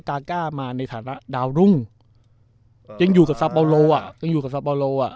กาก้ามาในฐานะดาวรุ่งยังอยู่กับซาเปาโลอ่ะยังอยู่กับซาเปาโลอ่ะ